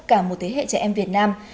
cả một thế hệ trẻ em việt nam